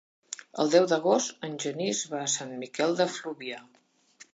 El deu d'agost en Genís va a Sant Miquel de Fluvià.